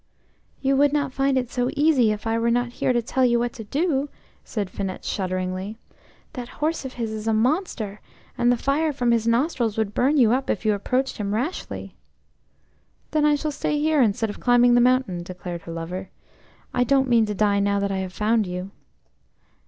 "You would not find it so easy if I were not here to tell you what to do," said Finette shudderingly. "That horse of his is a monster, and the fire from his nostrils would burn you up if you approached him rashly." "Then I shall stay here instead of climbing the mountain," declared her lover. "I don't mean to die now that I have found you."